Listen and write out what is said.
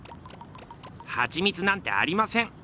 ハチミツなんてありません。